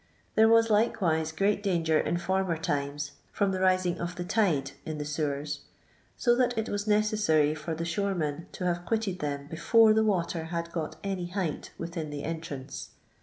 There was like wise great danger in former times from the rising of the tide in the sewers, so that it was necessary for the shore men to have quitted them before the water had got any height within the entrance.